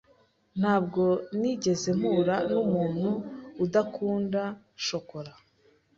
Ntabwo nigeze mpura numuntu udakunda shokora.